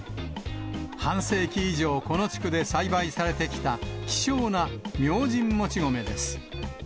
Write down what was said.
半世紀以上、この地区で栽培されてきた、希少な明神もち米です。